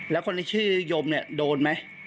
แล้วคนที่ชื่อยมเนี่ยโดนไหม